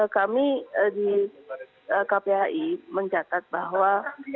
kami di kpai mencatat bahwa